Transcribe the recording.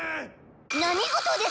何事です！